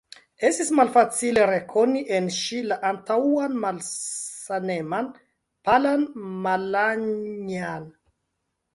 Estis malfacile rekoni en ŝi la antaŭan malsaneman, palan Malanja'n.